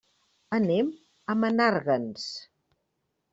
Anem a Menàrguens.